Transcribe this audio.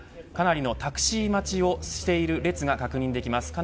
かなりのタクシー待ちをする列が確認できます。